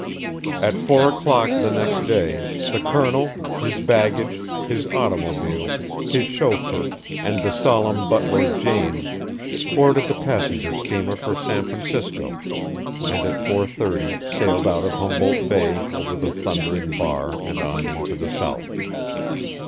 At four o'clock the next day the Colonel, his baggage, his automobile, his chauffeur, and the solemn butler James, boarded the passenger steamer for San Francisco, and at four thirty sailed out of Humboldt Bay over the thundering bar and on into the south.